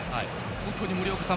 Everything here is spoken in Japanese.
本当に森岡さん